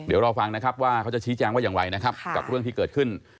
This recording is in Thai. เดี๋ยวเราฟังนะครับว่าเขาจะชี้จ้างว่ายังไงกับเรื่องที่เกิดขึ้น